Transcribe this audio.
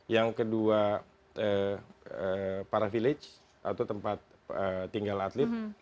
yang kedua para village atau tempat tinggal atlet